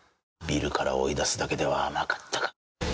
ビルから追い出すだけでは甘かったか。